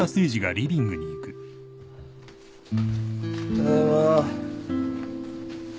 ただいま。